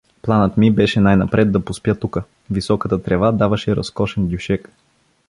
Планът ми беше най-напред да поспя тука — високата трева даваше разкошен дюшек.